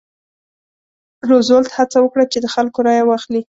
روزولټ هڅه وکړه چې د خلکو رایه واخلي.